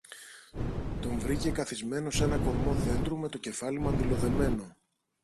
Τον βρήκε καθισμένο σ' έναν κορμό δέντρου με το κεφάλι μαντιλοδεμένο.